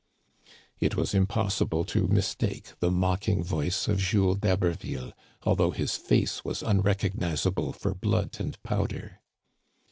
It was impossible to mistake the mocking voice of Jules d'Haberville, although his face was unrecognizable for blood and powder.